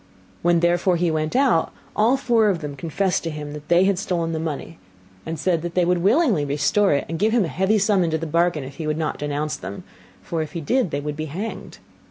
When therefore he went out, all four of them confessed to him that they had stolen the money, and said that they would willingly restore it and give him a heavy sum into the bargain, if he would not denounce them, for if he did they would be hanged.